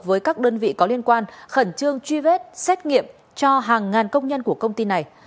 với các đơn vị có liên quan khẩn trương truy vết xét nghiệm cho hàng ngàn công nhân của công ty này